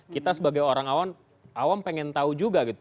kita sebagai orang awam awam pengen tahu juga gitu